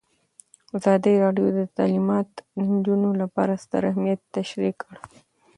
ازادي راډیو د تعلیمات د نجونو لپاره ستر اهميت تشریح کړی.